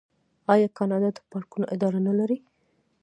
آیا کاناډا د پارکونو اداره نلري؟